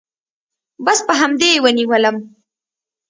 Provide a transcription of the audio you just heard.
بس په همدې يې ونيولم.